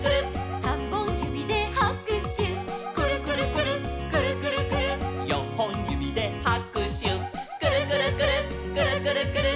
「にほんゆびではくしゅ」「くるくるくるっくるくるくるっ」「さんぼんゆびではくしゅ」「くるくるくるっくるくるくるっ」